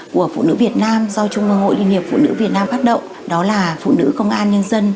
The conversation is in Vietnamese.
của phụ nữ việt nam do trung mương hội liên hiệp phụ nữ việt nam phát động đó là phụ nữ công an nhân dân